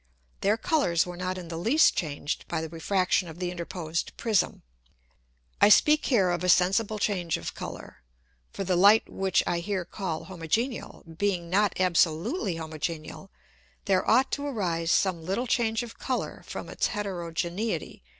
Their Colours were not in the least changed by the Refraction of the interposed Prism. I speak here of a sensible Change of Colour: For the Light which I here call homogeneal, being not absolutely homogeneal, there ought to arise some little Change of Colour from its Heterogeneity.